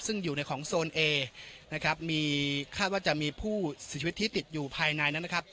ซึ่งอยู่ในของโซนเอนะครับมีคาดว่าจะมีผู้เสียชีวิตที่ติดอยู่ภายในนั้นนะครับ